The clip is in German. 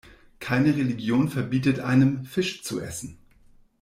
Keine Religion verbietet einem, Fisch zu essen.